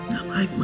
gak baik ma